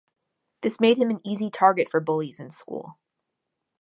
This made him an easy target for bullies in school.